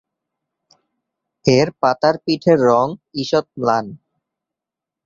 এর পাতার পিঠের রঙ ঈষৎ ম্লান।